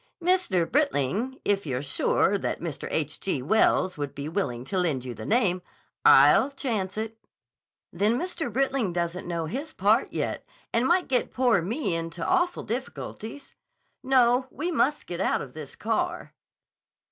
"Mr. Britling—if you're sure that Mr. H. G. Wells would be willing to lend you the name—" "I'll chance it." "Then Mr. Britling doesn't know his part yet and might get poor me into awful difficulties. No, we must get out of this car."